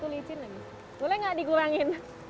tulisin lagi boleh gak dikurangin